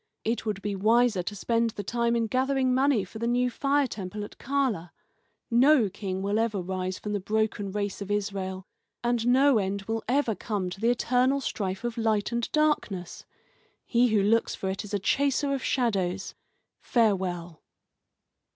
It would be wiser to spend the time in gathering money for the new fire temple at Chala. No king will ever rise from the broken race of Israel, and no end will ever come to the eternal strife of light and darkness. He who looks for it is a chaser of shadows. Farewell."